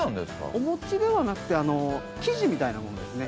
お餅ではなくて生地みたいなものですね。